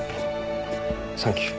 サンキュー。